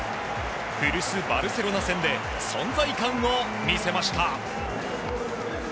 古巣バルセロナ戦で存在感を見せました。